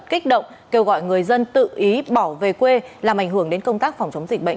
kích động kêu gọi người dân tự ý bỏ về quê làm ảnh hưởng đến công tác phòng chống dịch bệnh